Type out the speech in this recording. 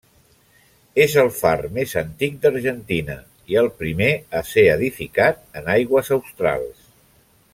És el far més antic d'Argentina i el primer a ser edificat en aigües australs.